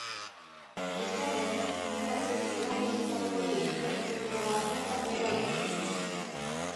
Bestalde, sindikatuek igande honetarako deituta zuten greba bertan behera utzi dute.